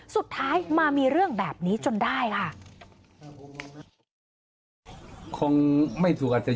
สุดท้ายมามีเรื่องแบบนี้จนได้ค่ะ